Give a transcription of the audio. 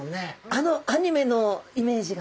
あのアニメのイメージが。